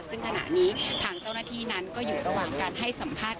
ซึ่งขณะนี้ทางเจ้าหน้าที่นั้นก็อยู่ระหว่างการให้สัมภาษณ